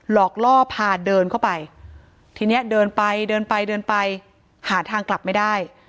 หลอกล่อพาเดินเข้าไปทีเนี้ยเดินไปเดินไปเดินไปหาทางกลับไม่ได้